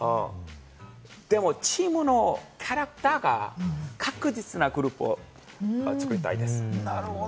でも、チームのキャラクターが確実なグループを作りたいです。